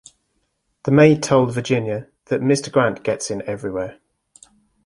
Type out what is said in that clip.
The maid told Virginia "that Mr Grant gets in everywhere".